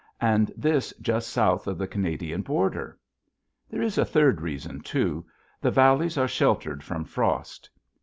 And this just south of the Canadian border! There is a third reason, too: the valleys are sheltered from frost.